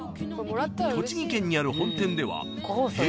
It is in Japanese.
［栃木県にある本店では］